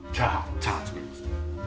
チャーハン作ります。